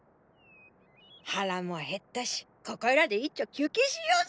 腹も減ったしここいらでいっちょ休憩しようぞ！